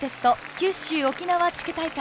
九州沖縄地区大会。